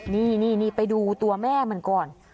นี่ไปดูตัวแม่มันก่อน